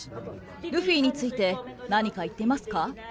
ルフィについて何か言っていますか？